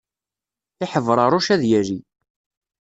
Iḥebraruc ad yali.